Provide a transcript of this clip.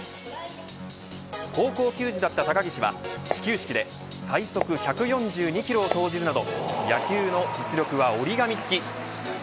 高校球児だった高岸は始球式で最速１４２キロを投じるなど野球の実力は折り紙つき。